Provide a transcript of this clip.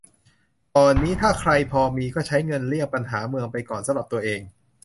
ก่อนนี้ ถ้าใครพอมี ก็ใช้เงินเลี่ยงปัญหาเมืองไปก่อนสำหรับตัวเอง